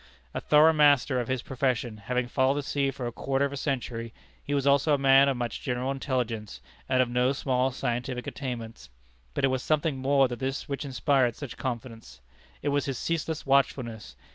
A thorough master of his profession, having followed the sea for a quarter of a century, he was also a man of much general intelligence, and of no small scientific attainments. But it was something more than this which inspired such confidence. It was his ceaseless watchfulness.